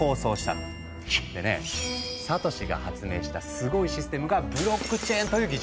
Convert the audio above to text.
でねサトシが発明したすごいシステムが「ブロックチェーン」という技術。